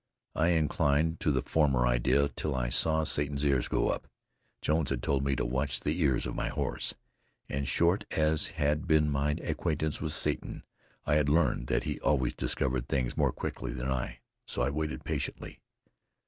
I inclined to the former idea till I saw Satan's ears go up. Jones had told me to watch the ears of my horse, and short as had been my acquaintance with Satan, I had learned that he always discovered things more quickly than I. So I waited patiently.